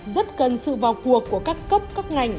rất cần sự vào cuộc của các cấp các ngành